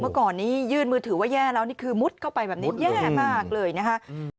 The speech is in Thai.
เมื่อก่อนนี้ยื่นมือถือว่าแย่แล้วนี่คือมุดเข้าไปแบบนี้แย่มากเลยนะคะ